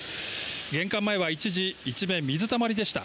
玄関前は一時一面水たまりでした。